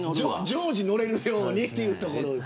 常時載れるようにというところ。